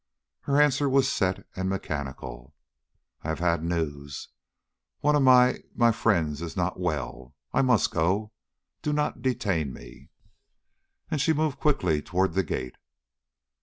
Her answer was set and mechanical. "I have had news. One of my my friends is not well. I must go. Do not detain me." And she moved quickly toward the gate.